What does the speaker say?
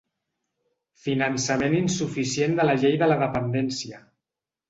Finançament insuficient de la llei de la dependència.